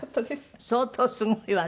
相当すごいわね。